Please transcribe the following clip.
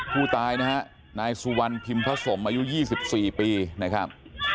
ผู้ตายนะฮะนายสุวรรณพิมพสมอายุ๒๔ปีนะครับ